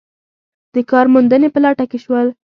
د کار موندنې په لټه کې شول.